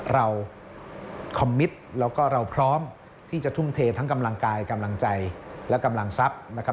คอมมิตแล้วก็เราพร้อมที่จะทุ่มเททั้งกำลังกายกำลังใจและกำลังทรัพย์นะครับ